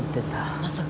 まさか。